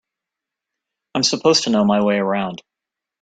I'm supposed to know my way around.